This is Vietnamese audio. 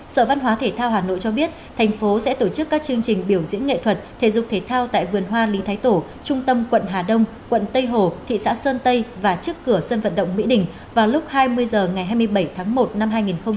sở văn hóa thể thao hà nội cho biết thành phố sẽ tổ chức các chương trình biểu diễn nghệ thuật thể dục thể thao tại vườn hoa lý thái tổ trung tâm quận hà đông quận tây hồ thị xã sơn tây và trước cửa sân vận động mỹ đình vào lúc hai mươi h ngày hai mươi bảy tháng một năm hai nghìn hai mươi